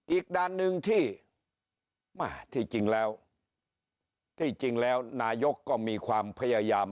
อีกด้านหนึ่งที่แม่ที่จริงแล้วที่จริงแล้วนายกก็มีความพยายาม